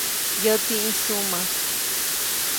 Yäti ʼĩjsuʼmät.